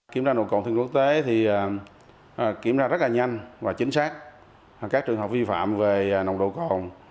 kiểm tra nồng độ cồn theo kinh nghiệm quốc tế thì kiểm tra rất là nhanh và chính xác các trường hợp vi phạm về nồng độ cồn